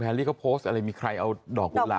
แพรรี่ก็โพสต์อะไรอะไรมีใครเอาดอกกุล่า